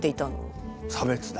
差別だ。